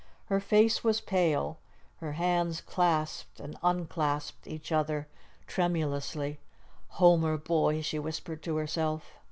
Her face was pale, her hands clasped, and unclasped each other tremulously. "Homer, boy," she whispered to herself.